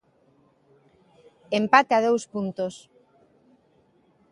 Empate a dous puntos.